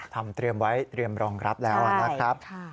ทำเตรียมไว้เตรียมรองรับแล้วนะครับใช่ค่ะ